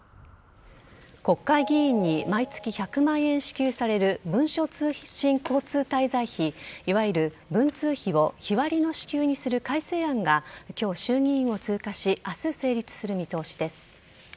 国会議員に毎月１００万円支給される文書通信交通滞在費いわゆる文通費を日割りの支給にする改正案が今日、衆議院を通過し明日、成立する見通しです。